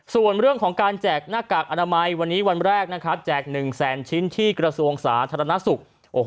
ส่วนเรื่องของการแจกหน้ากากอนามัยวันนี้วันแรกนะครับแจก๑แสนชิ้นที่กระทรวงสาธารณสุข